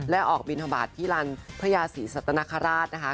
และออกบินทบาทที่ลันพระยาศรีสัตนคราชนะคะ